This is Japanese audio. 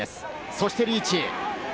そしてリーチ。